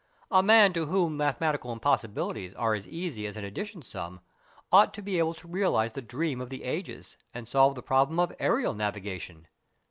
A man to whom mathematical impossibilities are as easy as an addition sum ought to be able to realise the dream of the ages and solve the problem of aerial navigation."